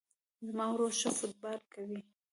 زما ورور ښه فوټبال کوی